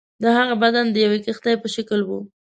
د هغه بدن د یوې کښتۍ په شکل وو.